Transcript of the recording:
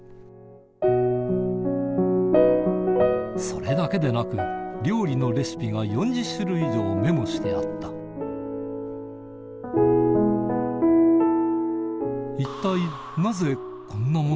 それだけでなく料理のレシピが４０種類以上メモしてあった一体なぜこんなものが？